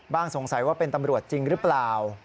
สงสัยว่าเป็นตำรวจจริงหรือเปล่า